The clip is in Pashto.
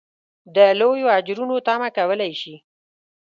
د لویو اجرونو تمه کولای شي.